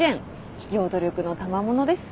企業努力のたまものです。